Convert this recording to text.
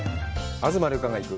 「東留伽が行く！